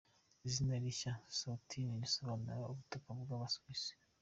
Izina rishya "eSwatini" bisobanura "ubutaka bw’Aba-Swazis".